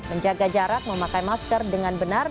menjaga jarak memakai masker dengan benar